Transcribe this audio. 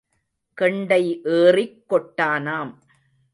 கெண்டை ஏறிக் கொட்டானாம்.